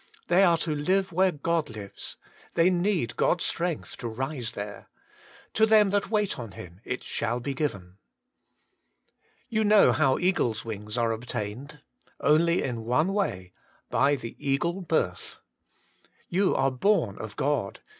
They are to live where God lives; they need God's strength to rise there. To them that wait on Him it shall be given. You know how the eagles' wings are obtained. WAITING ON GOD! 103 Only in one way — by the eagle birth. You are born of God.